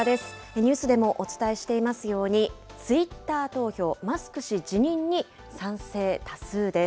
ニュースでもお伝えしていますように、ツイッター投票、マスク氏辞任に賛成多数です。